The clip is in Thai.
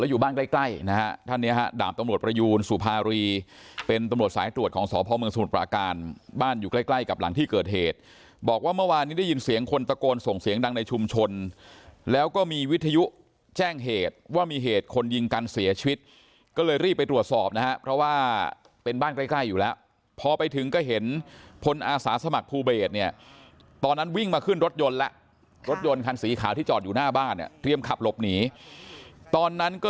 แล้วอยู่บ้านใกล้ใกล้นะฮะท่านเนี้ยฮะด่ามตำรวจประยูนสุภารีเป็นตำรวจสายตรวจของสหพเมืองสมุทรประการบ้านอยู่ใกล้ใกล้กับหลังที่เกิดเหตุบอกว่าเมื่อวานนี้ได้ยินเสียงคนตะโกนส่งเสียงดังในชุมชนแล้วก็มีวิทยุแจ้งเหตุว่ามีเหตุคนยิงกันเสียชีวิตก็เลยรีบไปตรวจสอบนะฮะเพราะว่าเป